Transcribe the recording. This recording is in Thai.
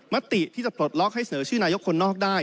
มติที่จะปลดล็อกให้เสนอชื่อนายกคนนอกได้